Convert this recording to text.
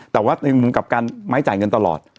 แต่ว่าในมุมกับการไม้จ่ายเงินตลอด